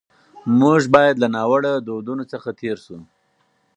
موږ باید له ناوړه دودونو څخه تېر سو.